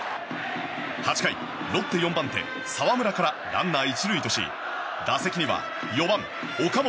８回、ロッテ４番手、澤村からランナー１塁とし打席には４番、岡本。